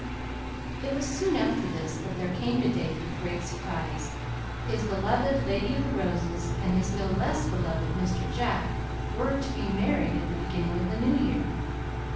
It was soon after this that there came to David the great surprise his beloved Lady of the Roses and his no less beloved Mr. Jack were to be married at the beginning of the New Year.